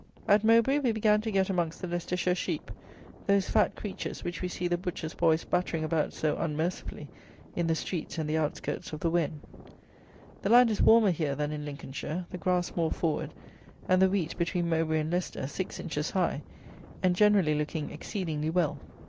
At Mowbray we began to get amongst the Leicestershire sheep, those fat creatures which we see the butchers' boys battering about so unmercifully in the streets and the outskirts of the Wen. The land is warmer here than in Lincolnshire; the grass more forward, and the wheat, between Mowbray and Leicester, six inches high, and generally looking exceedingly well.